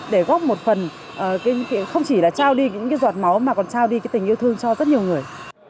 để góp một phần không chỉ là trao đi những giọt máu mà còn trao đi tình yêu thương cho rất nhiều người